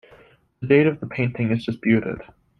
The date of the painting is disputed.